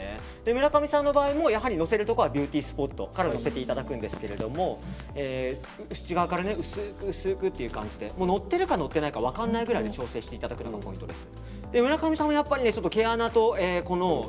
村上さんの場合ものせるところはビューティースポットからのせていただくんですが内側から薄く薄くという感じでのっているかのっていないか分からないぐらいの調整していただくのがポイントです。